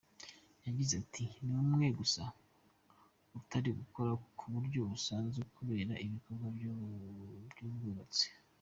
Yagize ati “Ni umwe gusa utari gukora ku buryo busanzwe kubera ibikorwa by’ubwubatsi.